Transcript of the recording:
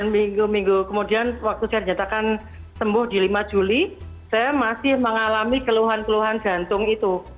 minggu minggu kemudian waktu saya nyatakan sembuh di lima juli saya masih mengalami keluhan keluhan jantung itu